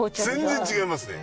全然違いますね。